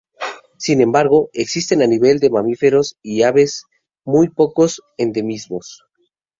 Sin embargo, existen a nivel de mamíferos y aves muy pocos endemismos.